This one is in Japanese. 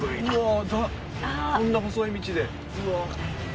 こんな細い道で。